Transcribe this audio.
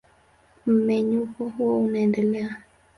Mmenyuko huo unaendelea.